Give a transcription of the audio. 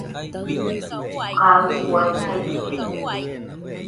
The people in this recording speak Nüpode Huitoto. Kaɨ uai ebirede.